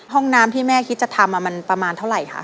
ห้องน้ำที่แม่คิดจะทำมันประมาณเท่าไหร่คะ